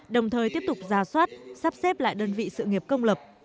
đồng thời tiếp tục ra soát sắp xếp lại đơn vị sự nghiệp công lập